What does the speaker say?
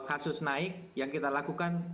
kasus naik yang kita lakukan